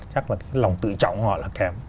chắc là cái lòng tự trọng của họ là kém